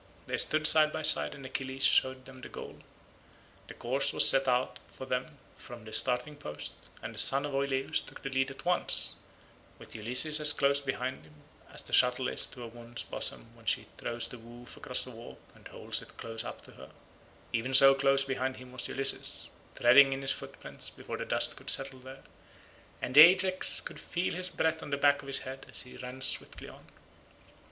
They stood side by side and Achilles showed them the goal. The course was set out for them from the starting post, and the son of Oileus took the lead at once, with Ulysses as close behind him as the shuttle is to a woman's bosom when she throws the woof across the warp and holds it close up to her; even so close behind him was Ulysses—treading in his footprints before the dust could settle there, and Ajax could feel his breath on the back of his head as he ran swiftly on.